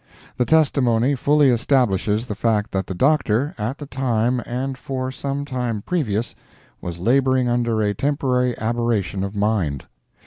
The testimony fully establishes the fact that the Doctor, at the time and for sometime previous, was laboring under a temporary aberration of mind.